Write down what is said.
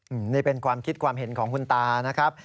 อืมนี่เป็นความคิดความเห็นของคุณตานะครับ